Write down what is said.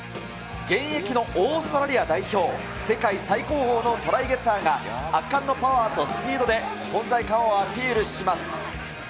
現役のオーストラリア代表、世界最高峰のトライゲッターが圧巻のパワーとスピードで存在感をアピールします。